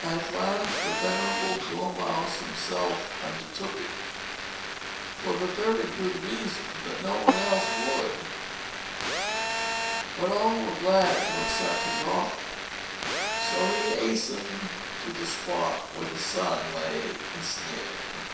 At last the venerable dormouse himself undertook it, for the very good reason that no one else would. But all were glad to accept his offer, so he hastened to the spot where the sun lay ensnared.